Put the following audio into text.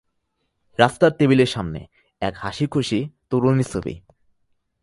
রাস্তার টেবিলের সামনে এক হাসিখুশি তরুণীর ছবি।